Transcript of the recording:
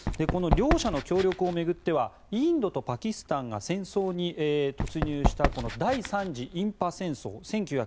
この両者の協力を巡ってはインドとパキスタンが戦争に突入した第３次印パ戦争